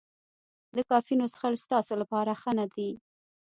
د کافینو څښل ستاسو لپاره ښه نه دي.